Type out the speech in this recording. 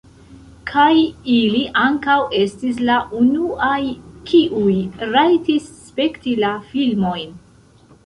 Kaj ili ankaŭ estis la unuaj, kiuj rajtis spekti la filmojn.